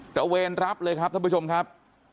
ระเวนรับเลยครับท่านผู้ชมครับ